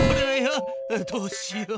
どうしよう。